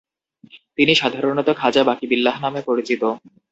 তিনি সাধারণত খাজা বাকি বিল্লাহ নামে পরিচিত।